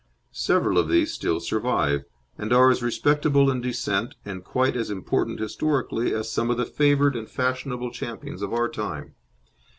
Several of these still survive, and are as respectable in descent and quite as important historically as some of the favoured and fashionable champions of our time.